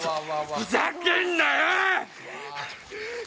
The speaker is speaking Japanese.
ふざけんなよ！